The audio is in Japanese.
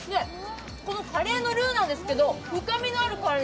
カレのルーなんですけど、深みのあるカレー。